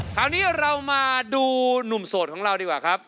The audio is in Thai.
คราวนี้เรามาดูหนุ่มโสดของเราดีกว่าครับ